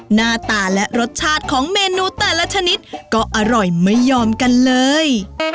หน้าตาและรสชาติของเมนูแต่ละชนิดก็อร่อยไม่ยอมกันเลย